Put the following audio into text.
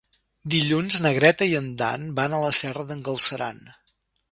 Dilluns na Greta i en Dan van a la Serra d'en Galceran.